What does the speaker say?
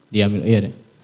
diambil ya dek